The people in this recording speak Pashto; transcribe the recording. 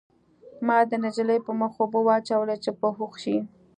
ما د نجلۍ په مخ اوبه واچولې چې په هوښ شي